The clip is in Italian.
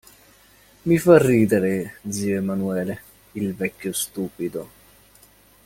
Mi fa ridere zio Emanuele, il vecchio stupido.